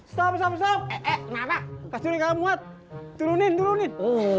stop stop eh eh kenapa kasih kamu at turunin turunin